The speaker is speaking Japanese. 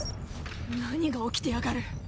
何が起きてやがる。